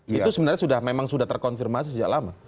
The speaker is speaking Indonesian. itu sebenarnya memang sudah terkonfirmasi sejak lama